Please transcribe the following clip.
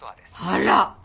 あら。